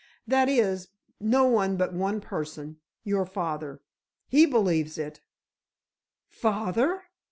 "That is, no one but one person—your father. He believes it." "Father!"